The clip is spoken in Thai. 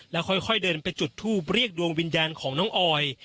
แล้วค่อยเดินไปจุดทูปเรียกดวงวิญญาณของน้องออย